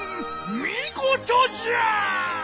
みごとじゃ！